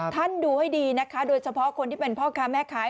ท่านดูให้ดีนะคะโดยเฉพาะคนที่เป็นพ่อค้าแม่ค้า